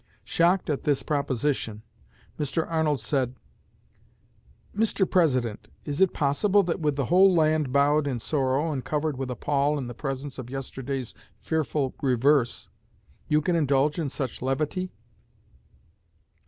Shocked at this proposition, Mr. Arnold said: "Mr. President, is it possible that with the whole land bowed in sorrow and covered with a pall in the presence of yesterday's fearful reverse, you can indulge in such levity?"